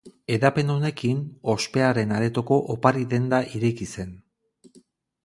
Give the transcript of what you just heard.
Hedapen honekin, Ospearen Aretoko opari denda ireki zen.